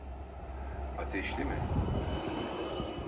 Ateşli mi?